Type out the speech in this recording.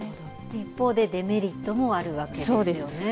一方で、デメリットもあるわけですよね。